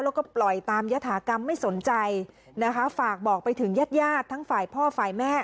แล้วก็ปล่อยตามยฐากรรมไม่สนใจนะคะฝากบอกไปถึงญาติญาติทั้งฝ่ายพ่อฝ่ายแม่